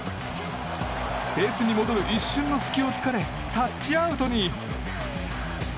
ベースに戻る一瞬の隙を突かれタッチアウトに。